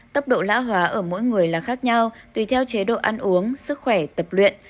tốc độ lã hóa ở mỗi người là khác nhau tùy theo chế độ ăn uống sức khỏe tập luyện